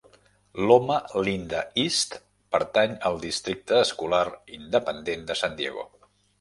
Loma Linda East pertany al districte escolar independent de San Diego.